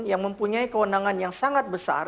yang mempunyai kewenangan yang sangat besar